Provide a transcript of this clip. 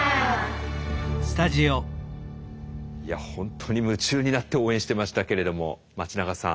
いや本当に夢中になって応援してましたけれども町永さん